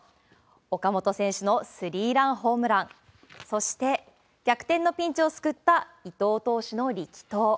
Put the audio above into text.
岡本選手のスリーランホームラン、そして、逆転のピンチを救った伊藤投手の力投。